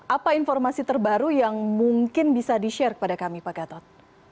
apa informasi terbaru yang mungkin bisa di share kepada kami pak gatot